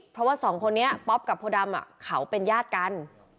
เพราะว่าสองคนนี้ป๊อปกับโพดำเขาเป็นญาติกัน